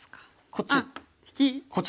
こっち？